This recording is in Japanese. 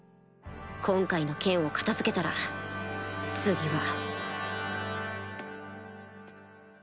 今回の件を片付けたら次は